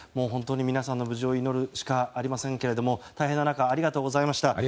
皆さんの無事を祈るしかありませんけれど大変な中ありがとうございました。